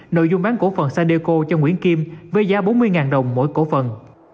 nội dung bán cổ phần sadeco cho nguyễn kim với giá bốn mươi đồng mỗi cổ phần